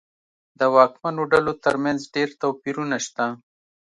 د واکمنو ډلو ترمنځ ډېر توپیرونه شته.